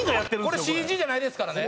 これＣＧじゃないですからね。